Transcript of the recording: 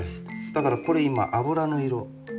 だからこれ今油の色。